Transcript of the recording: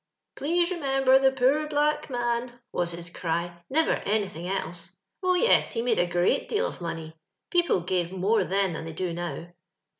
*'' Please remember the poor black man,' was his cry, never anything else. Oh yes, he made a gr^ deal of money. People gave more then than they do now.